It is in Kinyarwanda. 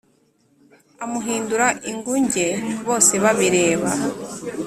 amuhindura ingunge, bose babireba